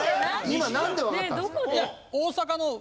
今なんでわかったんですか？